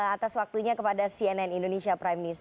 atas waktunya kepada cnn indonesia prime news